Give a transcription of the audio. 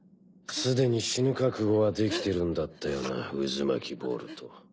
すでに死ぬ覚悟はできてるんだったよなうずまきボルト。